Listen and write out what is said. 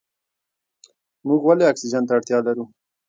موږ ولې اکسیجن ته اړتیا لرو؟